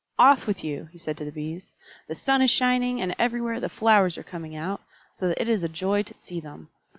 "Off with you!" he said to the Bees. "The sun is shining, and everywhere the flowers are coming out, so that it is a joy to see them.